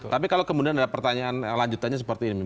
tapi kalau kemudian ada pertanyaan lanjutannya seperti ini